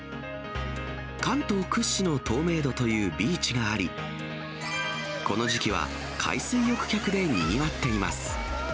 関東屈指の透明度というビーチがあり、この時期は海水浴客でにぎわっています。